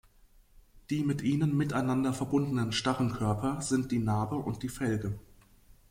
Die mit ihnen miteinander verbundenen starren Körper sind die Nabe und die Felge.